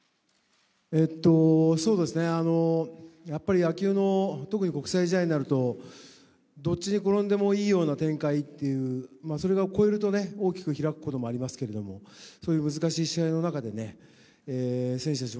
やっぱり野球の、特に国際試合になるとどっちに転んでもいいような展開、それを超えると大きく開くこともありますけれども、そういう難しい試合の中で、選手たち